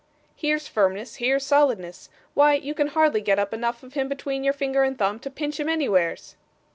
'Here's firmness, here's solidness! Why you can hardly get up enough of him between your finger and thumb to pinch him anywheres.